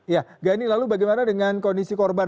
ya gani lalu bagaimana dengan kondisi korban